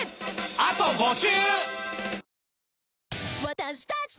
あと５週！